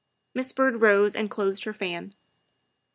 Miss Byrd rose and closed her fan.